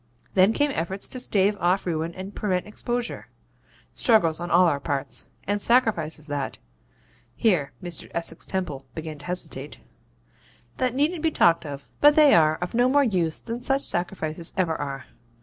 Then came efforts to stave off ruin and prevent exposure; struggles on all our parts, and sacrifices, that' (here Mr. Essex Temple began to hesitate) 'that needn't be talked of; but they are of no more use than such sacrifices ever are.